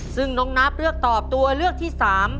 ซึ่งน้องนับเลือกตอบตัวเลือกที่๓